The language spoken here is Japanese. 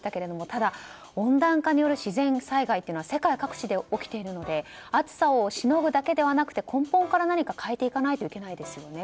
ただ、温暖化による自然災害は世界各地で起きているので暑さをしのぐだけではなくて根本から何か変えていかないといけないですよね。